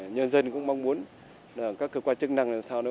nhân dân cũng mong muốn các cơ quan chức năng làm sao